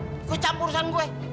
jangan ikut campur urusan gue